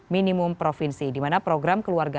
minimum provinsi dimana program keluarga